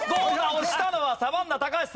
押したのはサバンナ高橋さん。